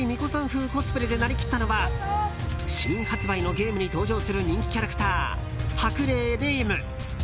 風コスプレでなりきったのは新発売のゲームに登場する人気キャラクター、博麗霊夢。